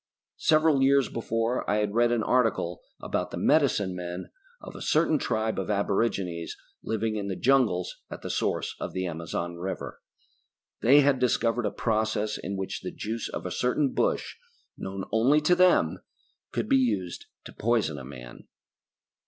Several years before I had read an article about the medicine men of a certain tribe of aborigines living in the jungles at the source of the Amazon River. They had discovered a process in which the juice of a certain bush known only to them could be used to poison a man.